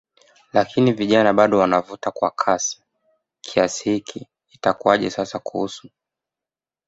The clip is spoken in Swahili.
lakini vijana bado wanavuta kwa kasi kiasi hiki itakuaje sasa kuhusu